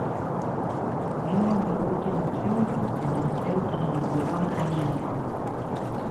Vimos do último triunfo, que nos deu un empurrón anímico.